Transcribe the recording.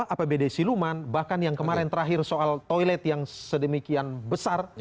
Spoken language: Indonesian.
apbd siluman bahkan yang kemarin terakhir soal toilet yang sedemikian besar